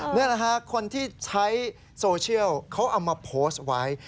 นี่แหละฮะคนที่ใช้โซเชียลเขาเอามาโพสต์ไว้